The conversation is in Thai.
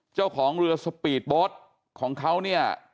เจ้าของเรือสปีดโบสต์ของเขาเนี่ย